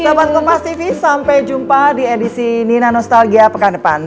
selamat nge mas tv sampai jumpa di edisi nina nostalgia pekan depan